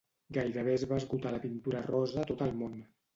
gairebé es va esgotar la pintura rosa a tot el món